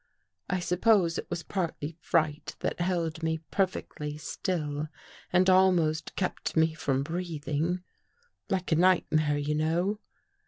I suppose it was partly fright that held me perfectly still and almost kept me from breathing — like a nightmare, you know.